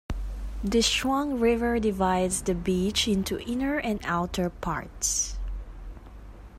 The Shuang River divides the beach into inner and outer parts.